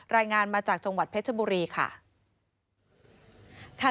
รายงานมาจากจังหวัดเพชรบุรีค่ะ